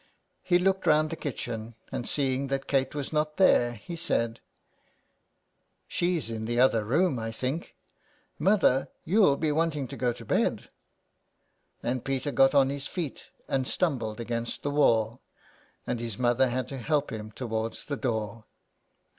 He looked round the kitchen, and seeing that Kate was not there, he said :—" She's in the other room, I think ; mother, you'll be wantin' to go to bed." And Peter got on his feet and stumbled against the wall, and his mother had to help him towards the door.